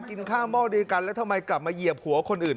กินข้าวหม้อเดียวกันแล้วทำไมกลับมาเหยียบหัวคนอื่น